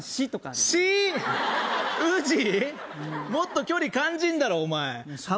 もっと距離感じんだろお前カバ